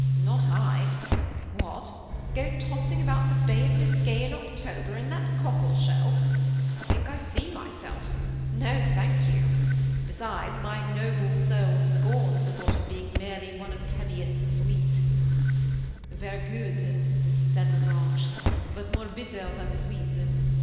" Not I ; what ! go tos^ng about the Bay of Biscay in October in that cockle shell ! I thibk I see myself. 4 No, thank you; besides, my noble soul scorns the thought of being merely one of Teviot's suite." " Ver* good," said La Grange, but more bitter than sweet.